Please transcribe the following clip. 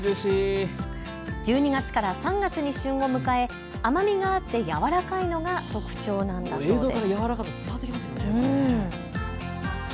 １２月から３月に旬を迎え甘みがあって柔らかいのが特徴なんだそうです。